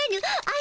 あ